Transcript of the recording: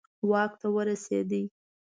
واک ته ورسېدي.